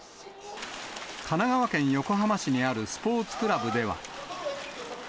神奈川県横浜市にあるスポーツクラブでは。